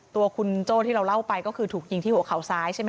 ตัวคุณโจ้ที่เราเล่าไปก็คือถูกยิงที่หัวเข่าซ้ายใช่ไหม